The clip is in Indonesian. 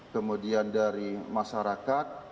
kemudian dari masyarakat